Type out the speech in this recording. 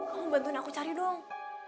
aku bantuin aku cari dong